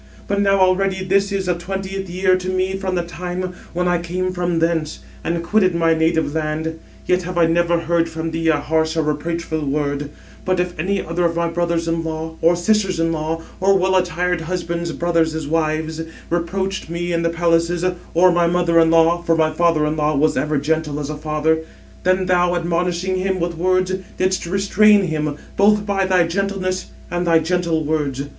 But now already this is the twentieth year to me from the time when I came from thence, and quitted my native land; yet have I never heard from thee a harsh or reproachful word; but if any other of my brothers in law, or sisters in law, or well attired husband's brothers' wives, reproached me in the palaces, or my mother in law (for my father in law was ever gentle as a father), then thou, admonishing him with words, didst restrain him, both by thy gentleness and thy gentle words.